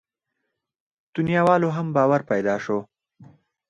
دنياوالو هم باور پيدا شو.